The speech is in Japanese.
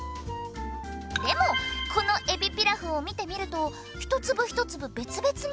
でもこのえびピラフを見てみると一粒一粒別々に。